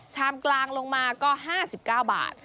ชามกลางลงมาก็๕๙บาท